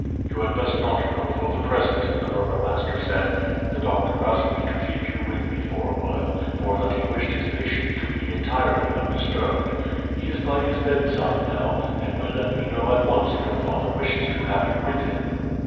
"You had best not go for the present," the burgomaster said. "The doctor asked me to keep you with me for awhile, for that he wished his patient to be entirely undisturbed. He is by his bedside now, and will let me know at once if your father wishes to have you with him."